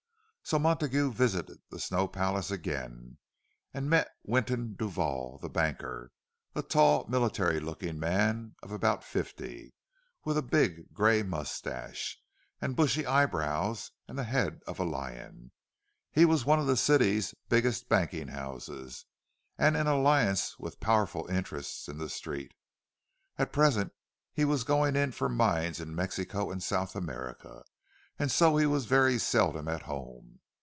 So Montague visited the Snow Palace again, and met Winton Duval, the banker,—a tall, military looking man of about fifty, with a big grey moustache, and bushy eyebrows, and the head of a lion. His was one of the city's biggest banking houses, and in alliance with powerful interests in the Street. At present he was going in for mines in Mexico and South America, and so he was very seldom at home.